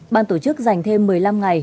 ban tổ chức dành thêm một mươi năm ngày